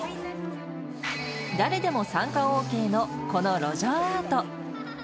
誰でも参加ＯＫのこの路上アート。